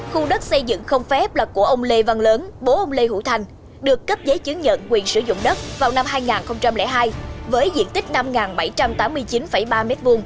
khu đất xây dựng không phép là của ông lê văn lớn bố ông lê hữu thành được cấp giấy chứng nhận quyền sử dụng đất vào năm hai nghìn hai với diện tích năm bảy trăm tám mươi chín ba m hai